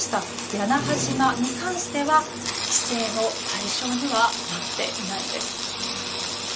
屋那覇島に関しては、規制の対象にはなっていないんです。